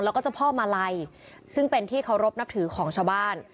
แล้วก็เจ้าพ่อมาลัยซึ่งเป็นที่เคารพนับถือของชาวบ้าน